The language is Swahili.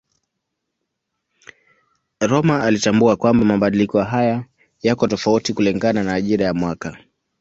Rømer alitambua kwamba mabadiliko haya yako tofauti kulingana na majira ya mwaka.